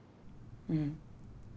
うん。